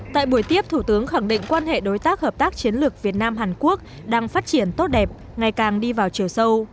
tại buổi tiếp thủ tướng khẳng định quan hệ đối tác hợp tác chiến lược việt nam hàn quốc đang phát triển tốt đẹp ngày càng đi vào chiều sâu